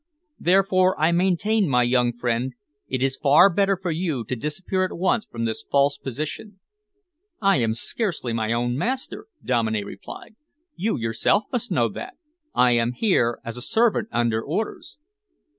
Therefore, I maintain, my young friend, it is far better for you to disappear at once from this false position." "I am scarcely my own master," Dominey replied. "You yourself must know that. I am here as a servant under orders."